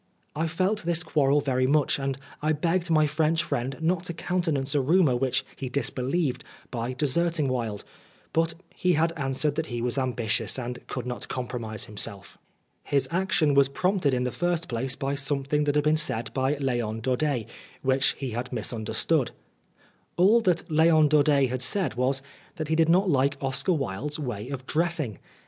I felt this quarrel very much, and I had begged my French friend not to countenance a rumour which he disbelieved by deserting Wilde, but he had answered that he was ambitious, and could not compromise himself. His action was prompted in the first place by something that had been said by Leon Daudet, which had been misunderstood. All that Leon Daudet had said was, that he did not like Oscar Wilde's way of dressing.